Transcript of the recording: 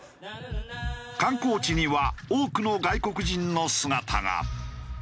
観光地には多くの外国人の姿が。